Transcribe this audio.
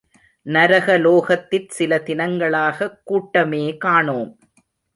நரகலோகத்திற் சில தினங்களாகக் கூட்டமே காணோம்.